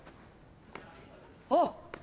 あっ！